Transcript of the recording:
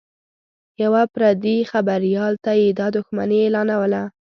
یوه پردي خبریال ته یې دا دښمني اعلانوله